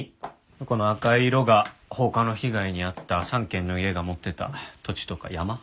この赤い色が放火の被害に遭った３軒の家が持っていた土地とか山。